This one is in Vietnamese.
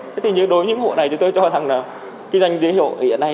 đối với những hộ này tôi cho rằng kinh doanh dưới hiệu hiện nay